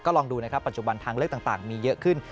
ลองดูนะครับปัจจุบันทางเลือกต่างมีเยอะขึ้น